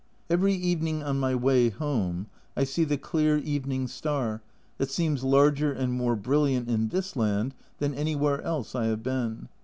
Every evening on my way home I see the clear evening star, that seems larger and more brilliant in this land than anywhere else I have been.